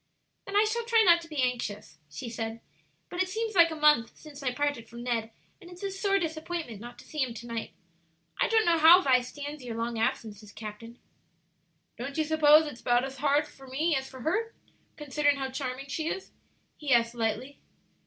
"Then I shall try not to be anxious," she said; "but it seems like a month since I parted from Ned, and it's a sore disappointment not to see him to night. I don't know how Vi stands your long absences, captain." "Don't you suppose it's about as hard for me as for her, considering how charming she is?" he asked, lightly.